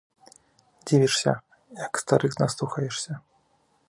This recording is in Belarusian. Дзівішся, як старых наслухаешся.